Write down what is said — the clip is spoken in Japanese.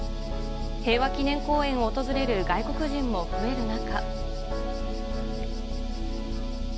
平和記念公園を訪れる外国人も増える中。